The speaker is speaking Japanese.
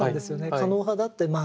狩野派だってまあ。